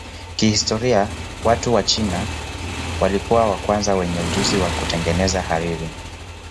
Kihistoria watu wa China walikuwa wa kwanza wenye ujuzi wa kutengeneza hariri.